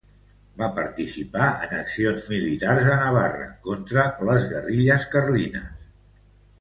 Va participar en accions militars a Navarra contra les guerrilles carlines.